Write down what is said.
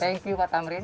thank you pak tamrin